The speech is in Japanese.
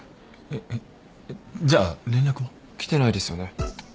えっじゃあ連絡は？来てないですよね。